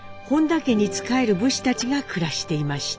家に仕える武士たちが暮らしていました。